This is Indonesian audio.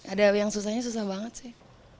ada yang susahnya susah banget sih